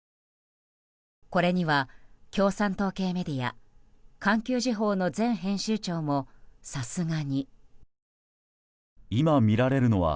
これには共産党系メディア環球時報の前編集長もさすがに。と投稿するほど。